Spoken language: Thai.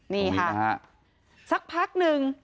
นี่ค่ะสักพักหนึ่ง